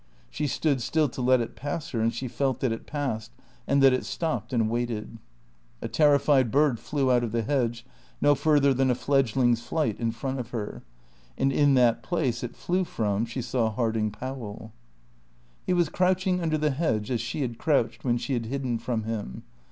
She stood still to let it pass her, and she felt that it passed, and that it stopped and waited. A terrified bird flew out of the hedge, no further than a fledgling's flight in front of her. And in that place it flew from she saw Harding Powell. He was crouching under the hedge as she had crouched when she had hidden from him.